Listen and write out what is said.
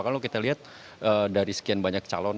kalau kita lihat dari sekian banyak calon